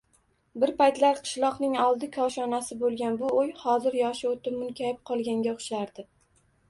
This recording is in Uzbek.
Bir paytlar qishloqning oldi koshonasi boʻlgan bu uy hozir yoshi oʻtib, munkayib qolganga oʻxshardi.